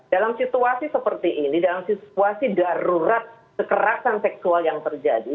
dalam situasi seperti ini dalam situasi darurat kekerasan seksual yang terjadi